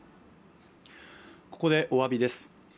ここでおわびです。